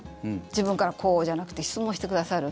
自分からこうじゃなくて質問をしてくださる。